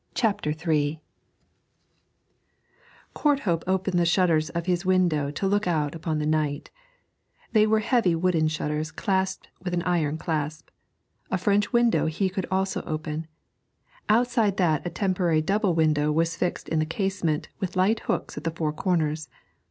CHAPTER III Courthope opened the shutters of his window to look out upon the night; they were heavy wooden shutters clasped with an iron clasp. A French window he could also open; outside that a temporary double window was fixed in the casement with light hooks at the four corners.